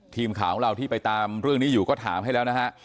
ทีมข่าวของเราที่ไปตามเรื่องนี้อยู่ก็ถามให้แล้วนะฮะ